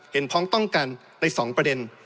เห็นพร้อมต้องกันใน๒ประเด็น